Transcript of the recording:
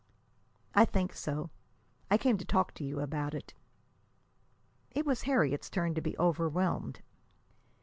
"I think so. I came to talk to you about it." It was Harriet's turn to be overwhelmed.